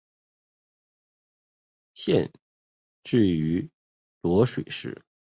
县治位于漯水市。